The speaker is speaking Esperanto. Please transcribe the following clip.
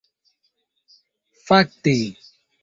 Fakte...